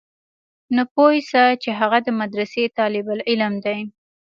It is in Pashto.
نو پوه سه چې هغه د مدرسې طالب العلم دى.